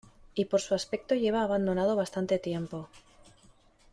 y por su aspecto lleva abandonado bastante tiempo.